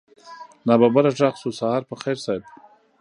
ناببره غږ شو سهار په خير صيب.